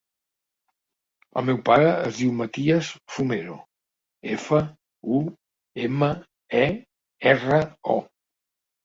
El meu pare es diu Matías Fumero: efa, u, ema, e, erra, o.